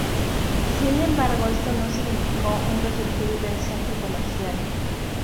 Sin embargo, esto no significó un resurgir del centro comercial.